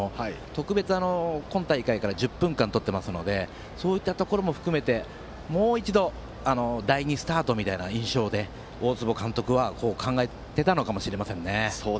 特別、今大会からは１０分間とっていますのでそういったところも含めてもう一度第２スタートみたいな印象で大坪監督は考えていたのかもしれませんね。